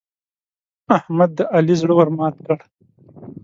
احمد د علي زړه ور مات کړ.